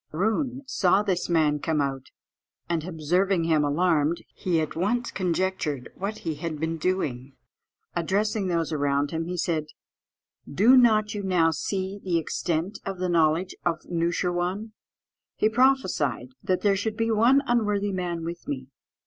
Hâroon saw this man come out, and observing him alarmed, he at once conjectured what he had been doing. Addressing those around him, he said, "Do not you now see the extent of the knowledge of Noosheerwân? He prophesied that there should be one unworthy man with me.